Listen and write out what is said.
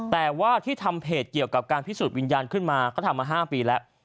แต่ว่าที่ทำเพจเกี่ยวกับการพิสูจนวิญญาณขึ้นมาเขาทำมา๕ปีแล้ว